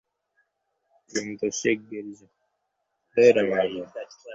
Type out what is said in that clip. কিন্তু শিগগির যা।